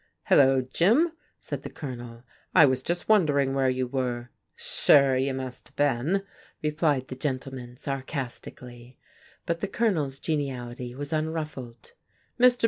"Hello, Jim," said the Colonel. "I was just wondering where you were." "Sure, you must have been!" replied the gentleman sarcastically. But the Colonel's geniality was unruffled. "Mr.